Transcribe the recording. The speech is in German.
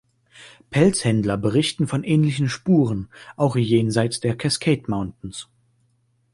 Pelzhändler berichteten von ähnlichen Spuren, auch jenseits der Cascade Mountains.